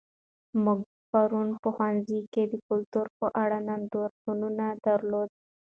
موږ پرون په ښوونځي کې د کلتور په اړه نندارتون درلود.